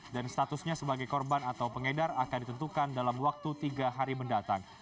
dan statusnya sebagai korban atau pengedar akan ditentukan dalam waktu tiga hari mendatang